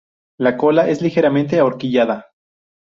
La cola es ligeramente ahorquillada.